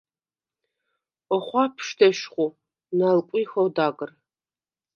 ოხვაფშვდ ეშხუ, ნალკვიჰვ ოდაგრ.